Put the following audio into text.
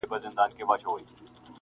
پښتانه چي له قلم سره اشنا کړو,